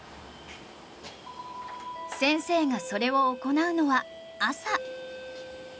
先生がそれを行うのは朝